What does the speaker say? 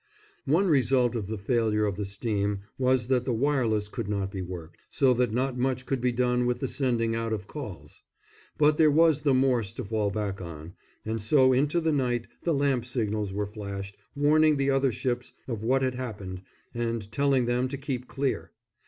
One result of the failure of the steam was that the wireless could not be worked, so that not much could be done with the sending out of calls; but there was the Morse to fall back on, and so into the night the lamp signals were flashed, warning the other ships of what had happened and telling them to keep clear.